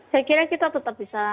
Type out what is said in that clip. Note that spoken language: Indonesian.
saya kira kita tetap bisa